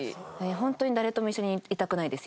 本当に誰とも一緒にいたくないです